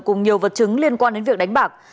cùng nhiều vật chứng liên quan đến việc đánh bạc